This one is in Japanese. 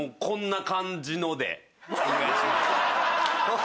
こんな感じので。